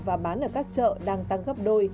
và bán ở các chợ đang tăng gấp đôi